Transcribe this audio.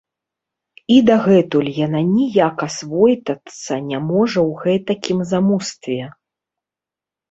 І дагэтуль яна ніяк асвойтацца не можа ў гэтакім замустве.